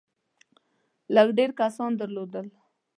ډېر لږ کسان درلودل.